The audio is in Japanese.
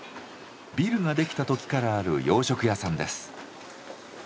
ビルが出来た時からある洋食屋さんです。